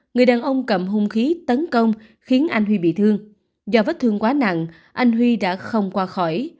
người đàn ông cầm hung khí tấn công khiến anh huy bị thương do vết thương quá nặng anh huy đã không qua khỏi